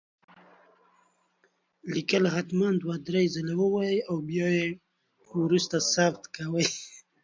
ليکل هتمن دوه دري ځلي وايي او بيا يي وروسته ثبت کوئ